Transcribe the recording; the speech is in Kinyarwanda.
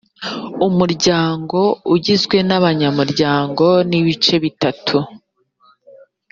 umuryango ugizwe n abanyamuryango b ibice bitatu